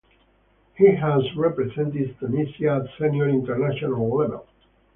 He has represented Tunisia at senior international level.